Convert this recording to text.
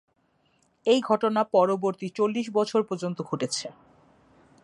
একই ঘটনা পরবর্তী চল্লিশ বছর পর্যন্ত ঘটেছে।